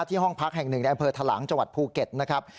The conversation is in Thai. ที่ห้องพักแห่งหนึ่งในแอมเภอทะลังจภูเก็ตนะครับ